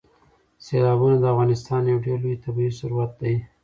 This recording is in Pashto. سیلابونه د افغانستان یو ډېر لوی طبعي ثروت دی.